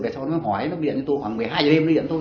tại sao nó mới hỏi nó điện cho tôi khoảng một mươi hai h đêm